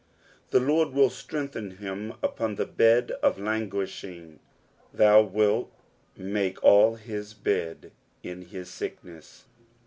3 The Lord will strengthen him upon the bed of languishing : thou wilt make all his bed in his sickness.